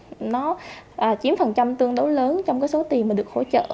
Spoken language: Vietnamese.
cái phí nhất định nó chiếm phần trăm tương đối lớn trong cái số tiền mà được hỗ trợ